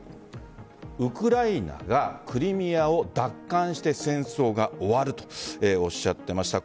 ウクライナがクリミアを奪還して戦争が終わるとおっしゃっていました。